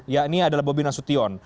yakni adalah bobi nasution